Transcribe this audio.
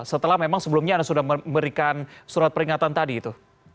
setelah memang sebelumnya anda sudah memberikan surat peringatan tadi itu